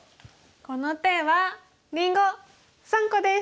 この手はりんご３個です！